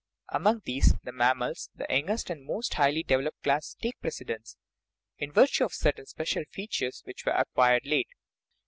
Among these the mammals, the youngest and most highly developed class take precedence, in virtue of certain special features which were acquired late.